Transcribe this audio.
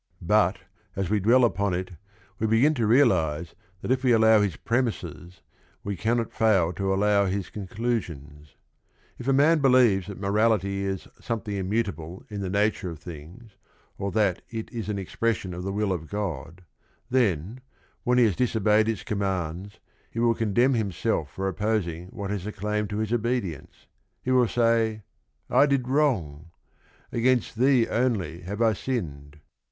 But, as we LESSONS OF RING AND BOOK 221 dwell upon it, we begin to realize that if we allow his premises we cannot fail to allow his con clusions. If a man believes that morality is some thing immutable in the nature of things, or that it is an expression of the will of God, then, when he has disobeyed its commands, he will condemn himself for opposing what has a claim to his obedience; he will say "I did wrong" — "against Thee only have I sinned."